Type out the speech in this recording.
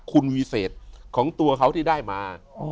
คุณวิเศษของตัวเขาที่ได้มา